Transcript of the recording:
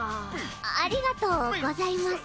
ありがとうございます。